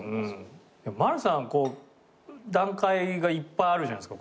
マルさんはこう段階がいっぱいあるじゃないですか